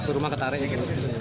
satu rumah ketarik